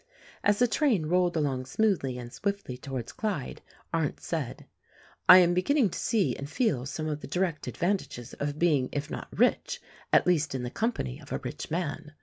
As the train rolled along smoothly and swiftly towards Clyde, Arndt said, "I am beginning to see and feel some of the direct advantages of being if not rich, at least in the company of a rich man.